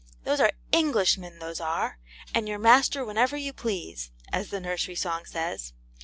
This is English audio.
Those are ENGLISHMEN, those are, and your master whenever you please,' as the nursery song says.